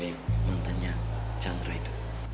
yang mantannya chandra itu